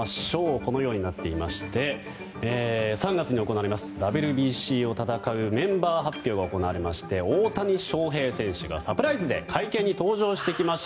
このようになっていまして３月に行われますＷＢＣを戦うメンバー発表が行われまして大谷翔平選手がサプライズで会見に登場してきました。